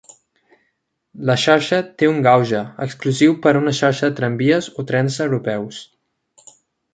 La xarxa té un gauge, exclusiu per a una xarxa de tramvies o trens europeus.